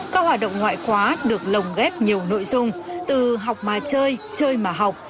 các hoạt động ngoại khóa được lồng ghép nhiều nội dung từ học mà chơi chơi mà học